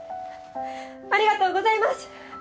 ありがとうございます！